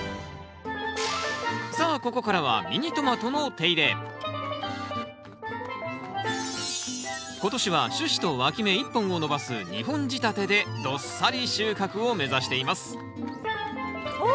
さあここからは今年は主枝とわき芽１本を伸ばす２本仕立てでどっさり収穫を目指していますお！